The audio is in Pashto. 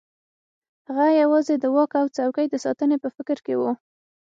هغه یوازې د واک او څوکۍ د ساتنې په فکر کې وو.